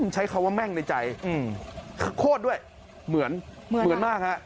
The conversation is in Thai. ใช้ความว่าแม่งในใจโคตรด้วยเหมือนมากฮะ